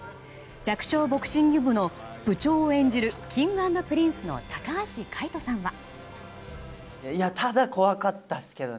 弱小ボクシング部の部長を演じるＫｉｎｇ＆Ｐｒｉｎｃｅの高橋海人さんは。